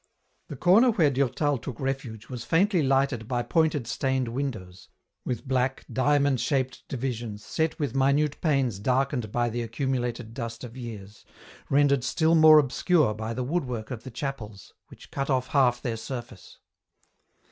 The corner where Durtal took refuge was faintly lighted by pointed stained windows, with black diamond shaped divisions set with minute panes darkened by the accumu lated dust of years, rendered still more obscure by the woodwork of the chapels, which cut off half their surface.